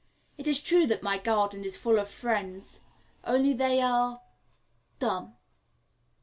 It is true that my garden is full of friends, only they are dumb.